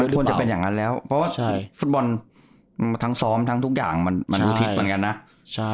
ควรจะเป็นอย่างนั้นแล้วเพราะว่าฟุตบอลทั้งซ้อมทั้งทุกอย่างมันอุทิศเหมือนกันนะ